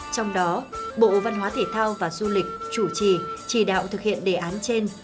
trong đó bộ văn hóa thể thao và du lịch chủ trì chỉ đạo thực hiện đề án trên